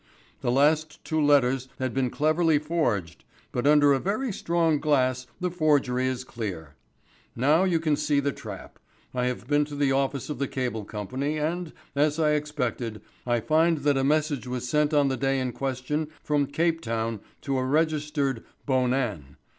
The last two letters had been cleverly forged, but under a very strong glass the forgery is clear. Now you can see the trap. I have been to the office of the Cable Company, and, as I expected, I find that a message was sent on the day in question from Cape Town to a registered 'Bonan.'